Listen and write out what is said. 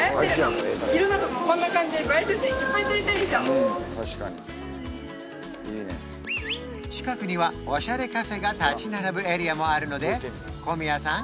うん確かに近くにはオシャレカフェが立ち並ぶエリアもあるので小宮さん